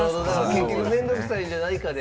結局面倒くさいんじゃないかで。